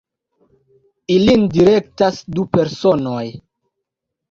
Ilin direktas du personoj.